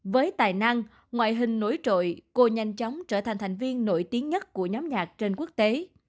với tài năng ngoại hình nối trội cô nhanh chóng trở thành thành viên nổi tiếng nhất của nhóm nhạc trên quốc tế